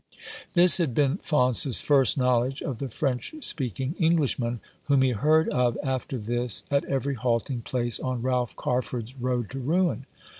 This had been Faunce's first knowledge of the French speaking Englishman, whom he heard of after this at every halting place on Ralph Carford's road to ruin.